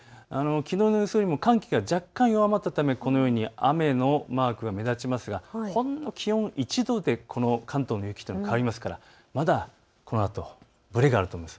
きのうの予想よりも寒気が若干弱まってきたためこのように雨のマークが目立ちますが気温１度で関東の雪というのは変わりますから、まだこのあとぶれがあると思います。